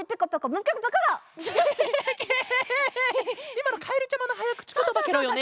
いまのかえるちゃまのはやくちことばケロよね？